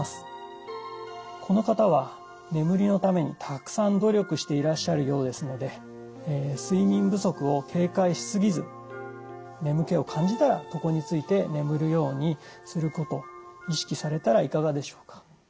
この方は眠りのためにたくさん努力していらっしゃるようですので睡眠不足を警戒しすぎず眠気を感じたら床に就いて眠るようにすることを意識されたらいかがでしょうか。